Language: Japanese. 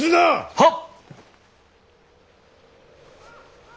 はっ！